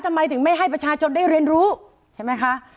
ทำไมถึงไม่ให้ประชาชนได้เรียนรู้ใช่ไหมคะ